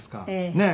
ねえ。